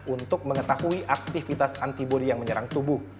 untuk mengetahui aktivitas antibody yang menyerang tubuh